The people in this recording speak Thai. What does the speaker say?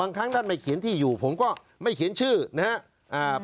ครั้งท่านไม่เขียนที่อยู่ผมก็ไม่เขียนชื่อนะครับ